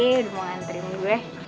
udah mau ngerantrim gue